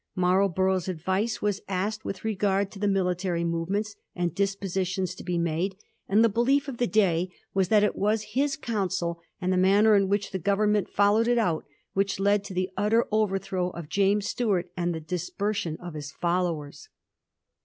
Marlborough's advice was asked with regard to the military moYements and dispositions to be made, and the belief of the day was that it waa his counsel, and the manner in which the Govern ment followed it out, which led to the utter over throw of James Stuart and the dispersion of his followers.